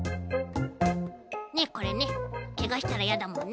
ねっこれねけがしたらやだもんね。